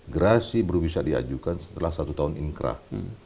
gerasi baru bisa diajukan setelah satu tahun inkrah